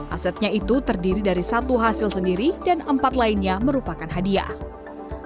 asetnya itu terdiri dari satu hasil sendiri dan empat lainnya merupakan hadiah